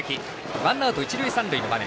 ワンアウト、一塁三塁の場面。